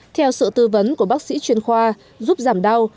theo sự tư vấn của bác sĩ chuyên khoa giúp giảm đau